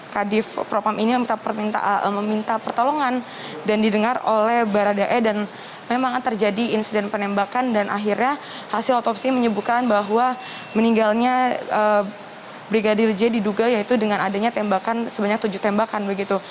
kadif propam ini meminta pertolongan dan didengar oleh baradae dan memang terjadi insiden penembakan dan akhirnya hasil otopsi menyebutkan bahwa meninggalnya brigadir j diduga yaitu dengan adanya tembakan sebanyak tujuh tembakan begitu